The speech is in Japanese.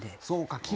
そうか。